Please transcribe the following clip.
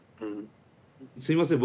すいません。